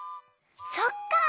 そっか！